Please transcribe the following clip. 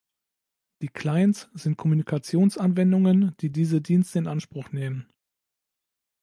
Die Clients sind Kommunikations-Anwendungen, die diese Dienste in Anspruch nehmen.